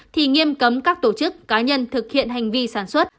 thì nghiêm cấm các tổ chức cá nhân thực hiện hành vi sản xuất